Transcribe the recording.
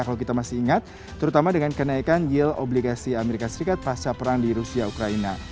kalau kita masih ingat terutama dengan kenaikan yield obligasi amerika serikat pasca perang di rusia ukraina